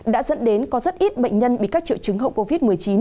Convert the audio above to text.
đã dẫn đến có rất ít bệnh nhân bị các triệu chứng hậu covid một mươi chín